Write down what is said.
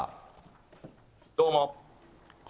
どうも。